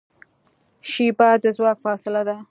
شیبه د ځواک فاصله ده.